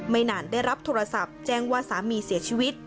ไม่นานได้รับโทรศัพท์แจ้งว่าสามีเสียชีวิต